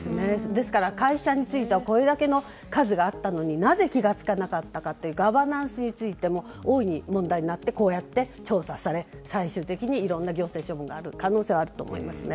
ですから会社についてはこれだけの数があったのになぜ防げなかったのかガバナンスについても大いに問題になってこうやって調査され、最終的にいろんな行政処分がある可能性はあると思いますね。